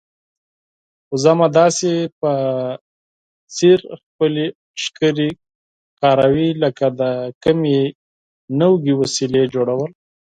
وزه مې داسې په ځیر خپلې ښکرې کاروي لکه د کومې نوې وسیلې جوړول.